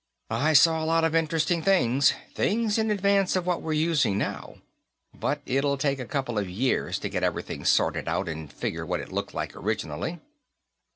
I saw a lot of interesting things, things in advance of what we're using now. But it'll take a couple of years to get everything sorted out and figure what it looked like originally."